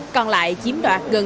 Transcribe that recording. còn lại chiếm đoạt tài khoản của mình